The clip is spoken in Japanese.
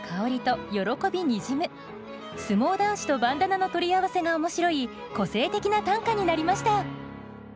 「相撲男子」と「バンダナ」の取り合わせが面白い個性的な短歌になりました。